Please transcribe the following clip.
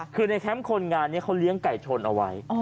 คือในแคมป์คนงานนี้เขาเลี้ยงไก่ชนเอาไว้